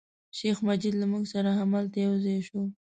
شیخ مجید له موږ سره همدلته یو ځای شو.